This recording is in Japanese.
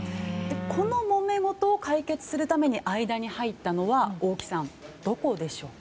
このもめ事を解決するために間に入ったのは大木さん、どこでしょうか。